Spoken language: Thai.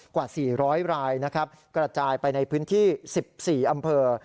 กว่า๔๐๐รายนะครับกระจายไปในพื้นที่๑๔อำเภอ